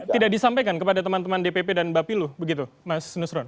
tidak disampaikan kepada teman teman dpp dan bapilu begitu mas nusron